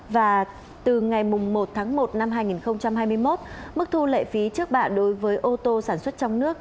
và từ ngày một tháng một năm hai nghìn hai mươi một mức thu lệ phí trước bạ đối với ô tô sản xuất trong nước